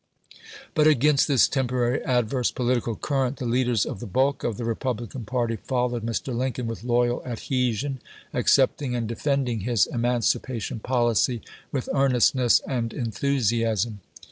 But against this temporary adverse political current the leaders of the bulk of the Republican party followed Mr. Lincoln with loyal adhesion, accepting and defending his emancipation policy with earnestness and enthusiasm.